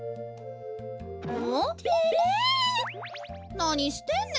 なにしてんねん？